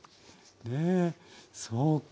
ねえそうか。